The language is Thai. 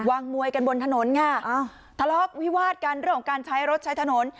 มวยกันบนถนนค่ะอ้าวทะเลาะวิวาดกันเรื่องของการใช้รถใช้ถนน